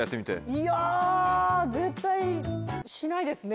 いや絶対しないですね